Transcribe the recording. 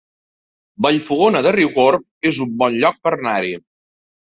Vallfogona de Riucorb es un bon lloc per anar-hi